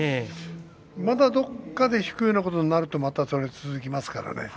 またどこかで引くようなことになるとそれが続きますからね。